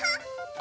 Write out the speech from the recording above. あ！